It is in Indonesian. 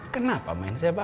kenapa main sepak bola